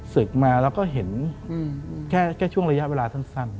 ศึกมาแล้วก็เห็นแค่ช่วงระยะเวลาสั้น